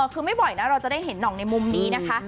คือไม่บ่อยนะเราจะได้เห็นห่องในมุมนี้นะคะ